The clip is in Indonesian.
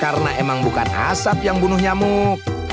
karena emang bukan asap yang bunuh nyamuk